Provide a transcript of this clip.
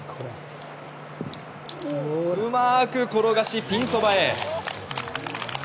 うまく転がし、ピンそばへ。